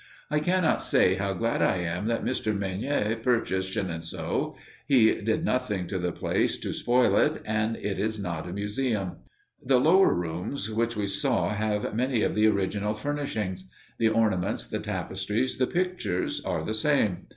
I cannot say how glad I am that Mr. Meunier purchased Chenonceaux. He did nothing to the place to spoil it, and it is not a museum. The lower rooms which we saw have many of the original furnishings. The ornaments, the tapestries, the pictures, are the same.